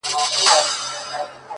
• تا ويل له سره ماله تېره يم خو؛